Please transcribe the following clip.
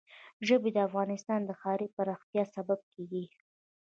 ژبې د افغانستان د ښاري پراختیا سبب کېږي.